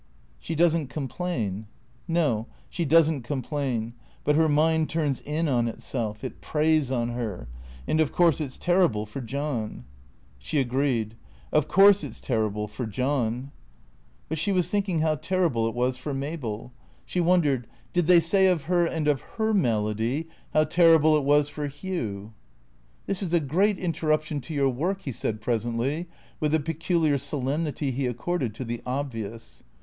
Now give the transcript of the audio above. " She does n't complain." " No. She does n't complain. But her mind turns in on it self. It preys on her. And of course it 's terrible for John." She agreed. " Of course, it's terrible — for John." But she was thinking how terrible it was for Mabel. She wondered, did 358 THECEEATORS they say of her and of her malady, how terrible it was for Hugh ?''" This is a great interruption to your work," he said presently, with the peculiar solemnity he accorded to the obvious.